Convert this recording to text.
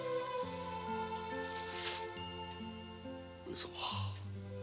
上様。